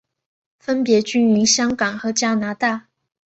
分别居于香港和加拿大。